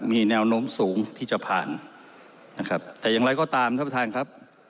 มีแนวโน้มสูงที่จะผ่านนะครับแต่อย่างไรก็ตามท่านประธานครับ